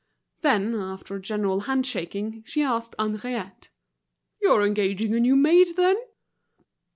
Then, after a general hand shaking, she asked Henriette: "You're engaging a new maid, then?"